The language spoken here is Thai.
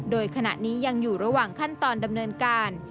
โดยขณะนี้ยังอยู่ระหว่างขั้นตอนดำเนินการ